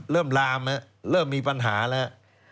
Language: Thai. เริ่มลามเริ่มมีปัญหาแล้ว